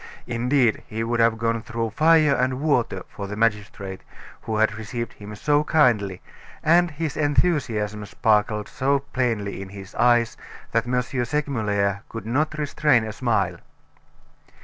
Indeed, he would have gone through fire and water for the magistrate who had received him so kindly, and his enthusiasm sparkled so plainly in his eyes that M. Segmuller could not restrain a smile.